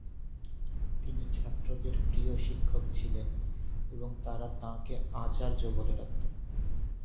তিনি ছাত্রদের প্রিয় শিক্ষক ছিলেন এবং তারা তাঁকে 'আচার্য' বলে ডাকত।